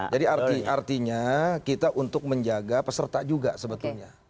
jadi artinya kita untuk menjaga peserta juga sebetulnya